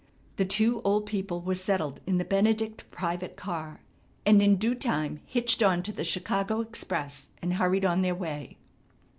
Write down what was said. The two old people were settled in the Benedict private car, and in due time hitched on to the Chicago express and hurried on their way.